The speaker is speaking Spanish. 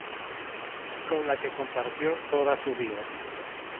Con la que compartió toda su vida.